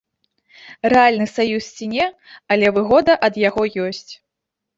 Рэальны саюз ці не, але выгода ад яго ёсць.